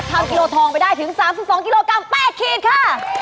กิโลทองไปได้ถึง๓๒กิโลกรัม๘ขีดค่ะ